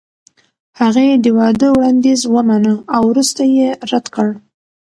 هغې د واده وړاندیز ومانه او وروسته یې رد کړ.